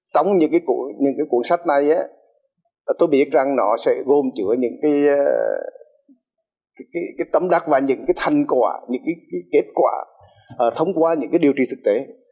trong những cuốn sách này tôi biết rằng nó sẽ gồm chữa những tấm đắc và những thành quả những kết quả thông qua những điều trị thực tế